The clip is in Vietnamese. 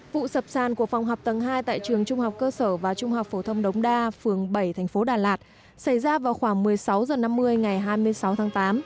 vụ sập sàn của phòng học tầng hai tại trường trung học cơ sở và trung học phổ thông đống đa phường bảy thành phố đà lạt xảy ra vào khoảng một mươi sáu h năm mươi ngày hai mươi sáu tháng tám